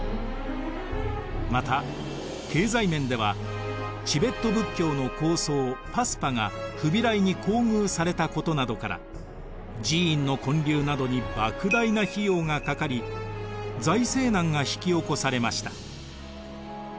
また経済面ではチベット仏教の高僧パスパがフビライに厚遇されたことなどから寺院の建立などにばく大な費用がかかり財政難が引き起こされました。